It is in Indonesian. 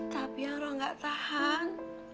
tapi ya roh gak tahan